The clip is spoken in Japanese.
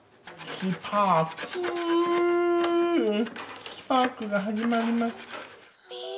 スパークが始まります。